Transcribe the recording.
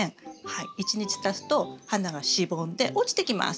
１日たつと花がしぼんで落ちてきます。